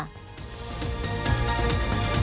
โปรดติดตามตอนต่อไป